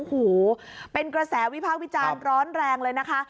โอ้โหเป็นกระแสวิพากษ์วิจารณ์ร้อนแรงเลยนะคะ